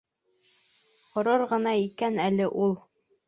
Ғорур ғына икән әле ул...